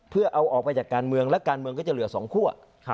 เพื่อเอาออกไปจากการเมืองและการเมืองก็จะเหลือ๒คั่ว